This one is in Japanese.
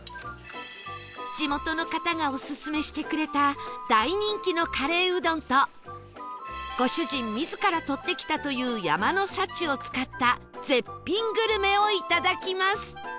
地元の方がオススメしてくれた大人気のカレーうどんとご主人自ら採ってきたという山の幸を使った絶品グルメをいただきます